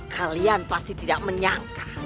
kalian pasti tidak menyangka